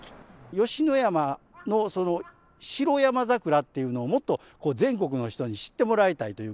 吉野山の白山桜っていうのを、もっと全国の人に知ってもらいたいという。